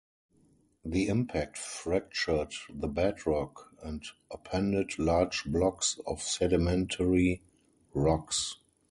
The impact fractured the bedrock, and upended large blocks of sedimentary rocks.